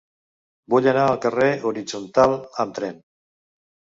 Vull anar al carrer Horitzontal amb tren.